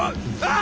あ！